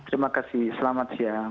terima kasih selamat siang